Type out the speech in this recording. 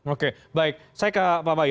oke baik saya ke pak bayu